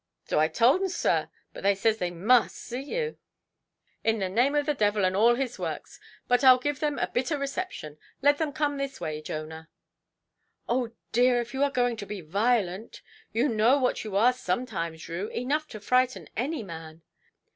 "Zo I tould un, sir; but they zays as they must zee you". "In the name of the devil and all his works, but Iʼll give them a bitter reception. Let them come this way, Jonah". "Oh dear, if you are going to be violent! You know what you are sometimes, Rue—enough to frighten any man".